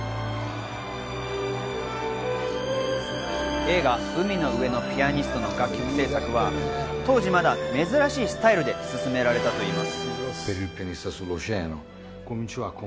映画『海の上のピアニスト』の楽曲制作は当時、まだ珍しいスタイルで進められたといいます。